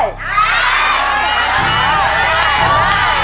สวัสดีครับ